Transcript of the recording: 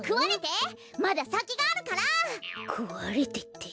くわれてって。